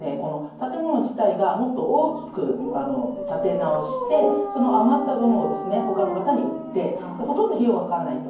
建物自体がもっと大きく建て直してその余った分をですねほかの方に売ってほとんど費用がかからないと。